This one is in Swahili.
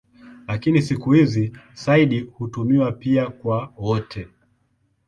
Lakini siku hizi "sayyid" hutumiwa pia kwa wote.